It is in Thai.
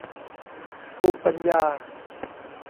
ภูมิปัญญา